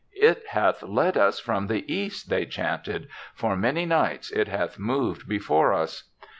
* It hath led us from the East,' they chanted; ' for many nights it hath moved be fore us.'